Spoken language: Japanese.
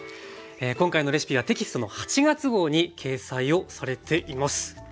今回のレシピはテキストの８月号に掲載をされています。